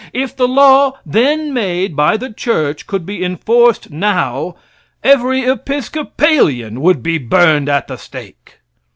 If the law then made by the church could be enforced now, every Episcopalian would be burned at the stake.